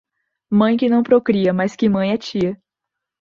Mãe que não procria, mais que mãe é tia.